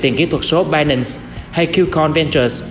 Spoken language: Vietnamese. tiền kỹ thuật số binance hay qcon ventures